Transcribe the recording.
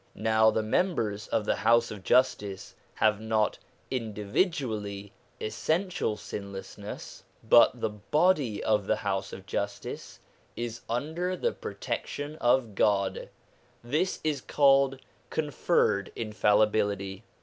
Now the members of the House of Justice have not, individually, essential sinlessness ; but the body of the House of Justice is under the protection of God : this is called conferred infallibility.